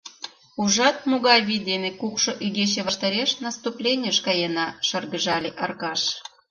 — Ужат, могай вий дене кукшо игече ваштареш наступленийыш каена! — шыргыжале Аркаш.